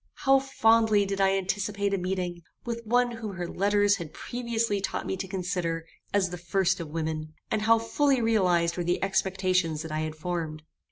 How fondly did I anticipate a meeting with one whom her letters had previously taught me to consider as the first of women, and how fully realized were the expectations that I had formed!